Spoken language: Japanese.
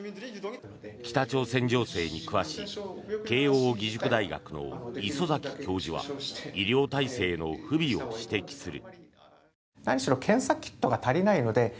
北朝鮮情勢に詳しい慶応義塾大学の礒崎教授は医療体制の不備を指摘する。